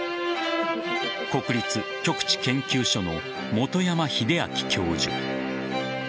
国立極地研究所の本山秀明教授。